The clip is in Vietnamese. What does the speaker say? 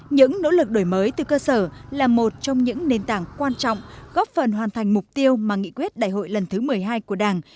những nỗ lực đổi mới từ cơ sở là một trong những nền tảng quan trọng góp phần hoàn thành mục tiêu mà nghị quyết đại hội lần thứ một mươi hai của đảng